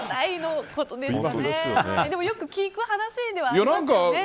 でも、よく聞く話ではありますよね。